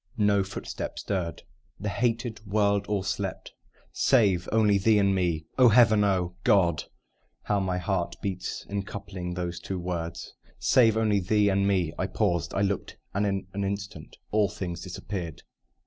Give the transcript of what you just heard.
No footstep stirred: the hated world all slept, Save only thee and me. (Oh, Heaven! oh, God How my heart beats in coupling those two words!) Save only thee and me. I paused I looked And in an instant all things disappeared.